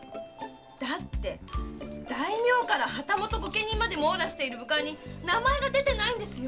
だって大名から旗本御家人まで網羅している「武鑑」に名前が出てないんですよ。